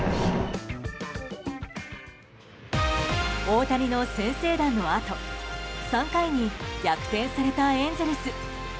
大谷の先制弾のあと３回に逆転されたエンゼルス。